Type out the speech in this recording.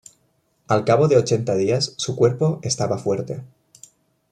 Al cabo de ochenta días su cuerpo estaba fuerte.